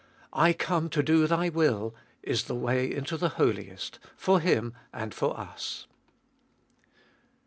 I come to do Thy will, is the way into the Holiest, for Him and for us.